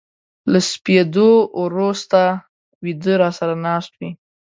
له سپېدو ورو سته و يده را سره ناست وې